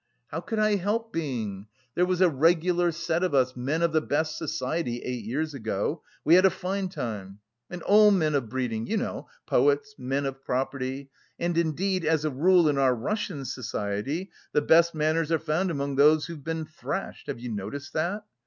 "How could I help being? There was a regular set of us, men of the best society, eight years ago; we had a fine time. And all men of breeding, you know, poets, men of property. And indeed as a rule in our Russian society the best manners are found among those who've been thrashed, have you noticed that?